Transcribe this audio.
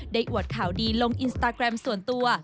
อวดข่าวดีลงอินสตาแกรมส่วนตัว